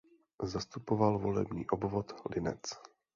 Zastupoval volební obvod Linec.